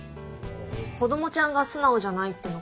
子どもちゃんが素直じゃないっていうのか？